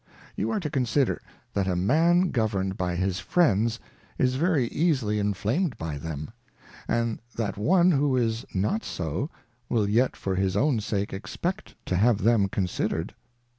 You are to consider, that a Man govern 'd by his Friends, is very easily in flamed by them ; and that one who is not so, will yet for his own sake expect to have them consider'd.